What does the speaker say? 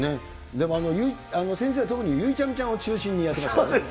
でも先生は特にゆいちゃみちゃんを中心にやってましたね。